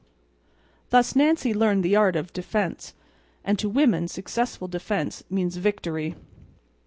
Thus Nancy learned the art of defense; and to women successful defense means victory.